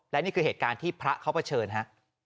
และนี่คือเหตุการณ์ที่พระเขาเผชิญฮะ